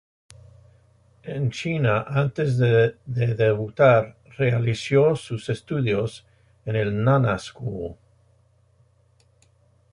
En China antes de debutar realizó sus estudios en el Nana School.